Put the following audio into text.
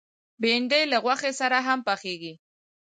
بېنډۍ له غوښې سره هم پخېږي